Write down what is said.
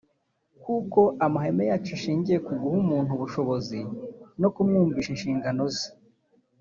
kuko amahame yacu ashingiye ku guha umuntu ubushobozi no kumwumvisha inshingano ze